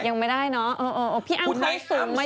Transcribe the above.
ยังไม่ได้เนอะพี่อัมเขาสูงมาอยู่แล้ว